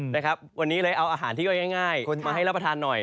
วันนี้เลยเอาอาหารที่ง่ายมาให้ประทานหน่อย